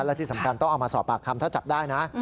และที่สำคัญต้องเอามาสอบปากคำถ้าจับได้นะ